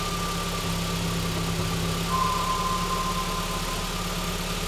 塞默莱人口变化图示